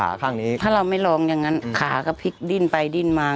ข้างนี้ถ้าเราไม่ลองอย่างงั้นขาก็พลิกดิ้นไปดิ้นมา